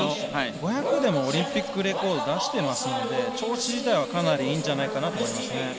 ５００ｍでもオリンピックレコード出してますので調子自体は、かなりいいんじゃないかなと思います。